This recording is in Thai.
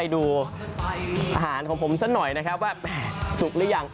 ดูอาหารของผมสักหน่อยนะครับว่าสุกหรือยัง